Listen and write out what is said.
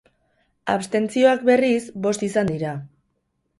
Abstentzioak, berriz, bost izan dira.